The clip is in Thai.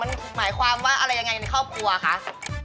มันหมายความว่าอะไรยังไงในครอบครัวคะ